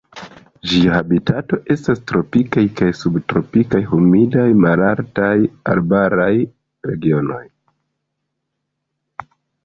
Ĝia habitato estas tropikaj kaj subtropikaj humidaj malaltaj arbaraj regionoj.